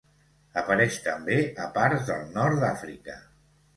Apareix també a parts del nord d'Àfrica.